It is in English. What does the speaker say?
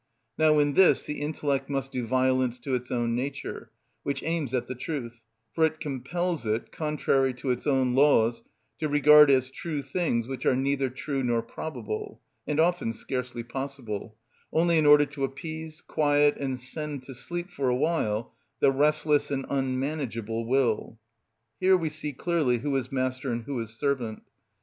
Now in this the intellect must do violence to its own nature, which aims at the truth, for it compels it, contrary to its own laws, to regard as true things which are neither true nor probable, and often scarcely possible, only in order to appease, quiet, and send to sleep for a while the restless and unmanageable will. Here we see clearly who is master and who is servant.